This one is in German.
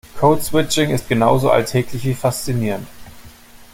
Code Switching ist genauso alltäglich wie faszinierend.